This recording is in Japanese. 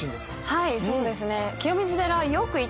はいそうですね。